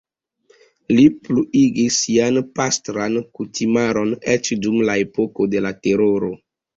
Li pluigis sian pastran kutimaron eĉ dum la epoko de la Teroro.